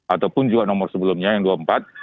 ataupun juga nomor sebelumnya yang dua puluh empat